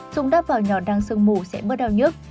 dùng đắp vào nhỏ đăng sương mủ sẽ bớt đau nhức